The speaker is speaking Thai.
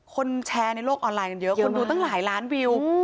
คนแชร์ในโลกออนไลน์กันเยอะคนดูตั้งหลายล้านวิว